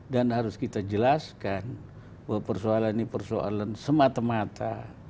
dan harus kita jelaskan bahwa persoalan ini persoalan semata mata